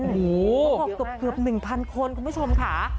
โอ้โหเกือบ๑๐๐๐คนคุณผู้ชมค่ะ